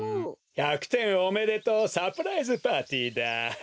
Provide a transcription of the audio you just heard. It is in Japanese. １００点おめでとうサプライズパーティーだ。